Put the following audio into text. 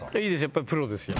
やっぱプロですよ